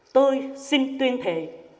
tôi xin tuyên thệ